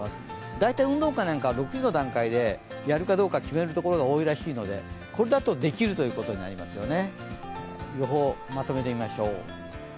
大体、運動会なんかは６時の段階でやるかどうか決めるらしいのでこれだとできるということになりますよね。